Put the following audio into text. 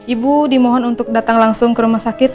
ibu dimohon untuk datang langsung ke rumah sakit